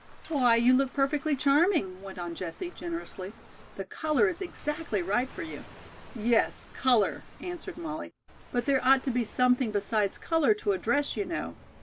"Why, you look perfectly charming," went on Jessie generously. "The color is exactly right for you " "Yes, color," answered Molly, "but there ought to be something besides color to a dress, you know.